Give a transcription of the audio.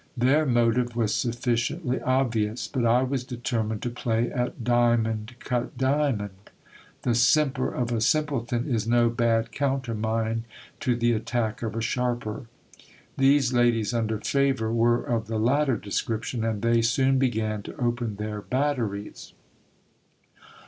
Their motive was sufficiently obvious ; but I was determined to play at diamond cut diamond. The simper of a simpleton is no bad countermine to the attack of a sharper. These ladies under favour were of the latter description, and they soon began to open their batteries.